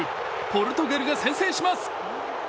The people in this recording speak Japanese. ポルトガルが先制します。